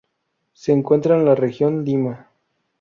Se encuentra en la región Lima.